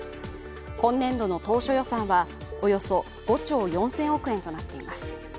今年度の当初予算はおよそ５兆４０００億円となっています